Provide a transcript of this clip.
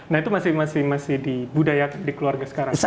nah itu masih di budaya di keluarga sekarang